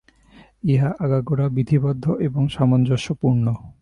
ইহা আগাগোড়া বিধিবদ্ধ এবং সামঞ্জস্যপূর্ণ।